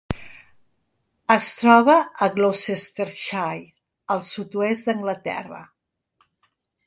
Es troba a Gloucestershire, al sud-oest d'Anglaterra.